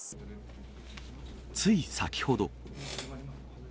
つい先ほど。